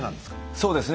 そうですね。